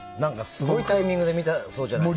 すごいタイミングで見たそうじゃないですか。